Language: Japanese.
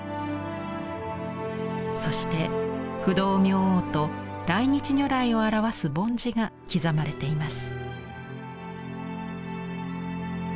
そして不動明王と大日如来を表す梵字が刻まれています。